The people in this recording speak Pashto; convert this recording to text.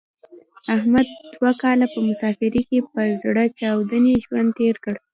احمد دوه کاله په مسافرۍ کې په زړه چاودې ژوند تېر کړ.